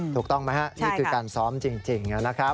ถูกต้องไหมครับนี่คือการซ้อมจริงนะครับ